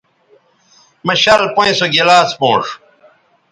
مہ شَل پئیں سو گلاس پونݜ